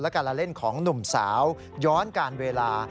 และการละเล่นของหนุ่มสาวย้อนการเวลา